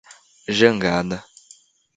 Jangada